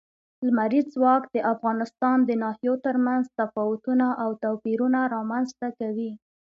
لمریز ځواک د افغانستان د ناحیو ترمنځ تفاوتونه او توپیرونه رامنځ ته کوي.